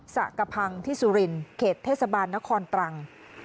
สะกระพังที่สุรินเขตเทศบาลนครตรัง